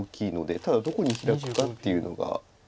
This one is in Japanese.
ただどこにヒラくかっていうのが。